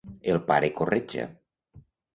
El pare Corretja.